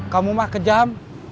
kamu mah kejam